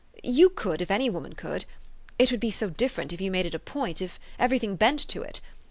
You could, if any woman could. It would be so different if you made it a point, if every thing bent to it.